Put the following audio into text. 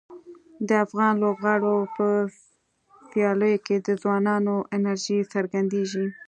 د افغان لوبغاړو په سیالیو کې د ځوانانو انرژي څرګندیږي.